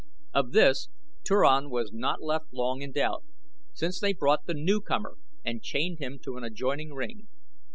Of this Turan was not left long in doubt, since they brought the newcomer and chained him to an adjoining ring.